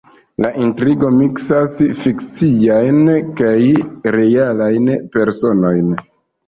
La intrigo miksas fikciajn kaj realajn personojn.